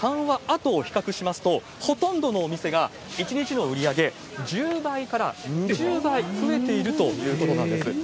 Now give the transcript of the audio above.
あとを比較しますと、ほとんどのお店が１日の売り上げ、１０倍から２０倍増えているということなんです。